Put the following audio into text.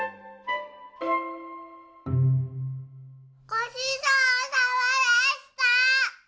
ごちそうさまでした！